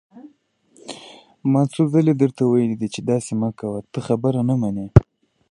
ما څو ځله درته ويلي دي چې داسې مه کوه، ته خبره نه منې!